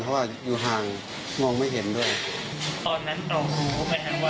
เพราะว่าอยู่ห่างมองไม่เห็นด้วยตอนนั้นเรารู้ไหมฮะว่า